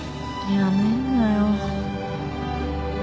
辞めんなよ。